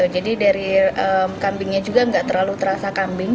jadi dari kambingnya juga gak terlalu terasa kambing